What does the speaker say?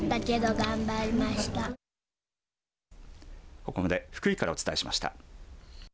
ここまで福井からお伝えしました。